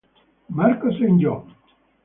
Marco St. John